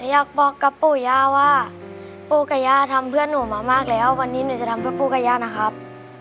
อยากบอกกับปู่ย่าว่าปู่กับย่าทำเพื่อนหนูมามากแล้ววันนี้หนูจะทำเพื่อปู่กับย่านะครับ